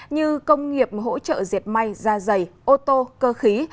như công nghiệp hỗ trợ diệt may da dày ô tô cơ khí